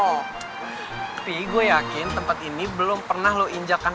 tapi gue yakin tempat ini belum pernah lo injakan